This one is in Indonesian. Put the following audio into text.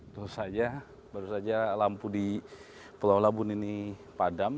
terus saja baru saja lampu di pulau labun ini padam